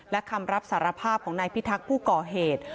และคำรับสารภาพของนายพิทักษ์ผู้ก่อเหตุ